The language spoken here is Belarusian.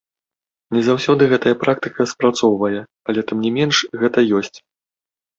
Не заўсёды гэтая практыка спрацоўвае, але, тым не менш, гэта ёсць.